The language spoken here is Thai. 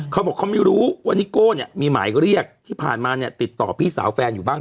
เขาบอกเขาไม่รู้ว่านิโก้เนี่ยมีหมายเรียกที่ผ่านมาเนี่ยติดต่อพี่สาวแฟนอยู่บ้าง